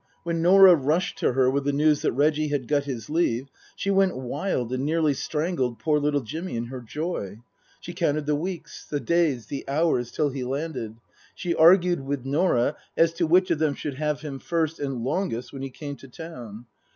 When Norah rushed to her with the news that Reggie had got his leave, she went wild and nearly strangled poor little Jimmy in her joy. She counted the weeks, the days, the hours till he landed. She argued with Norah as to which of them should have him first and longest when he came to town.